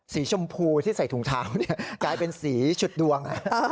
สีชมพูที่ใส่ถุงเท้ากลายเป็นสีฉุดดวง